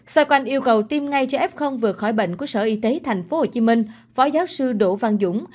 xoay quanh yêu cầu tiêm ngay cho f vừa khỏi bệnh của sở y tế tp hcm phó giáo sư đỗ văn dũng